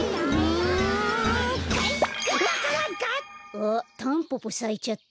あっタンポポさいちゃった。